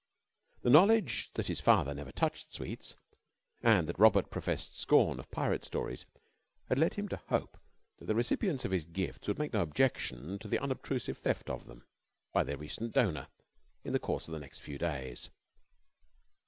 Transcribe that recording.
The knowledge that his father never touched sweets, and that Robert professed scorn of pirate stories, had led him to hope that the recipients of his gifts would make no objection to the unobtrusive theft of them by their recent donor in the course of the next few days.